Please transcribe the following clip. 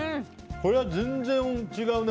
これは全然違うね。